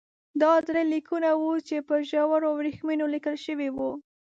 دا درې لیکونه وو چې پر ژړو ورېښمو لیکل شوي وو.